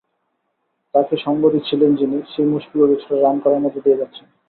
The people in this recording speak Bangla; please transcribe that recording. তাঁকে সঙ্গ দিচ্ছিলেন যিনি, সেই মুশফিকও কিছুটা রানখরার মধ্য দিয়ে যাচ্ছেন।